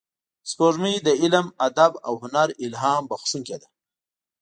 سپوږمۍ د علم، ادب او هنر الهام بخښونکې ده